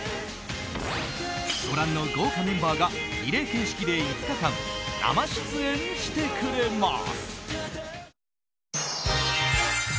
ご覧の豪華メンバーがリレー形式で５日間生出演してくれます。